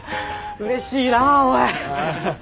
うれしいなぁおい。